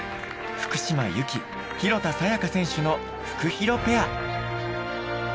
福島由紀・廣田彩花選手のフクヒロペア。